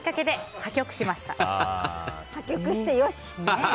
破局して良し。